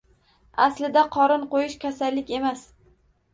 Aslida qorin qo‘yish kasallik emas.